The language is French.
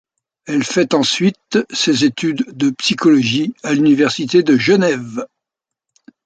Elle fait ensuite ses études de psychologie à l'université de Genève.